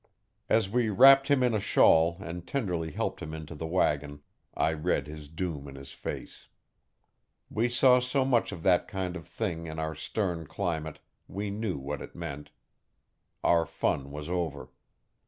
As we wrapped him in a shawl and tenderly helped him into the wagon I read his doom in his face. We saw so much of that kind of thing in our stern climate we knew what it meant. Our fun was over.